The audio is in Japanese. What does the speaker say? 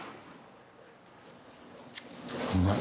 うまい。